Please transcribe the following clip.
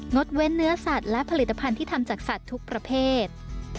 ดเว้นเนื้อสัตว์และผลิตภัณฑ์ที่ทำจากสัตว์ทุกประเภท